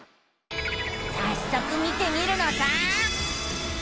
さっそく見てみるのさあ。